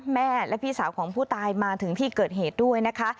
แม่และพี่สาวของผู้ตายมาถึงที่เกิดเหตุด้วยนะคะ